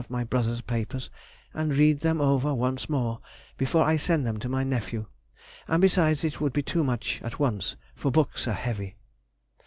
of my brother's papers, and read them over once more before I send them to my nephew, and besides, it would be too much at once, for books are heavy.